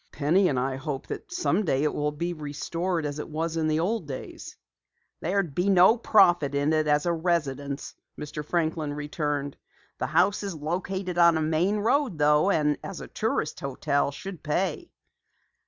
"Penny and I hope that someday it will be restored as it was in the old days." "There would be no profit in it as a residence," Mr. Franklin returned. "The house is located on a main road though, and as a tourist hotel, should pay."